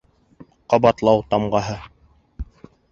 Ҡабатлау тамғаһы